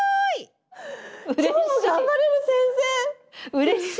うれしい！